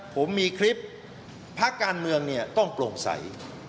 ผมมีคลิปพักการเมืองเนี่ยต้องโปร่งใส